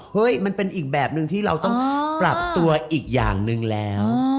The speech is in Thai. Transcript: มันเป็นอีกแบบหนึ่งที่เราต้องปรับตัวอีกอย่างหนึ่งแล้ว